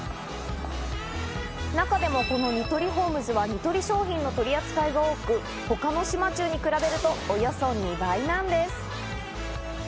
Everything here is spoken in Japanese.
中でもこのニトリホームズはニトリ商品の取り扱いが多く、他の島忠に比べると、およそ２倍なんです。